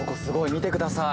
見てください！